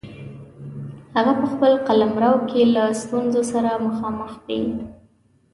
هغه په خپل قلمرو کې له ستونزو سره مخامخ وي.